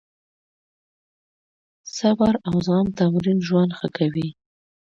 د صبر او زغم تمرین ژوند ښه کوي.